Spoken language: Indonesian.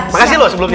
makasih loh sebelumnya